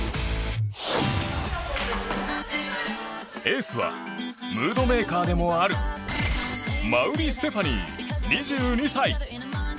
エースはムードメーカーでもある馬瓜ステファニー、２２歳。